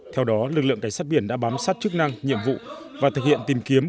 theo đó lực lượng cảnh sát biển đã bám sát chức năng nhiệm vụ và thực hiện tìm kiếm